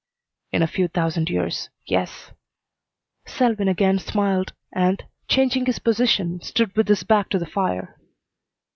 "In a few thousand years yes," Selwyn again smiled and, changing his position, stood with his back to the fire.